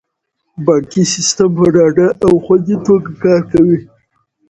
بانکي سیستم په ډاډه او خوندي توګه کار کوي.